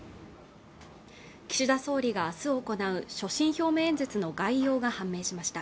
岸田総理が明日行う所信表明演説の概要が判明しました